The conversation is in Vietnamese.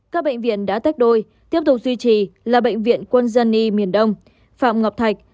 các bệnh viện đã tách đôi tiếp tục duy trì là bệnh viện quân dân y miền đông phạm ngọc thạch